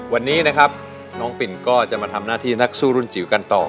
วันนี้นะครับน้องปิ่นก็จะมาทำหน้าที่นักสู้รุ่นจิ๋วกันต่อ